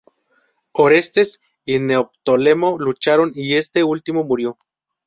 Orestes y Neoptólemo lucharon, y este último murió.